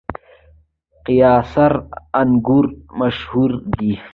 قیصار انګور مشهور دي؟